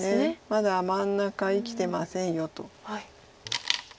まだ真ん中生きてませんよと。